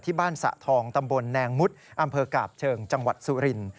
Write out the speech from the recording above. สะทองตำบลแนงมุดอำเภอกาบเชิงจังหวัดสุรินทร์